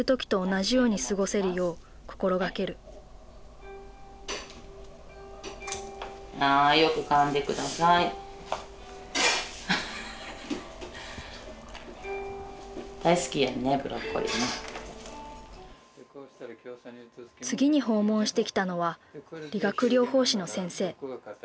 次に訪問してきたのは理学療法士の先生。